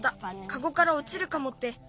カゴからおちるかもって。